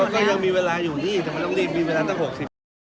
ก็ยังมีเวลาอยู่นี่มีเวลาตั้งหกศิษย์